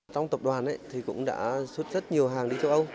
trong tập đoàn thì cũng đã xuất rất nhiều hàng đi châu âu